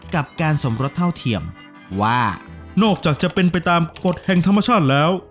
กับการสมรสเท่าเทียมว่านอกจากจะเป็นไปตามกฎแห่งธรรมชาติแล้ว